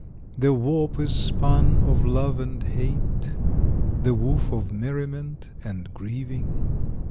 The warp is spun of love and hate, The woof of merriment and grieving.